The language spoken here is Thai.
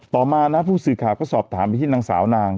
ต่อมานะผู้สื่อข่าวก็สอบถามไปที่นางสาวนาง